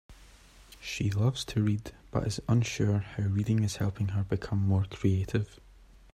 She loves to read, but is unsure how reading is helping her become more creative.